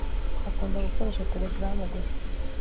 akunda gukoresha telegram gusa